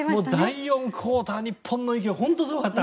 第４クオーター日本の勢いは本当にすごかった。